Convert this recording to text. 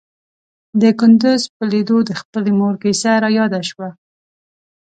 د کندوز په ليدو د خپلې مور کيسه راياده شوه.